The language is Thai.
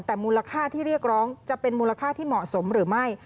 แต่มูลค่าที่เรียกร้องจะเป็นมูลค่าที่เหมาะสมหรือไม่